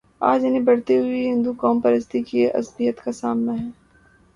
آج انہیں بڑھتی ہوئی ہندوقوم پرستی کی عصبیت کا سامنا ہے۔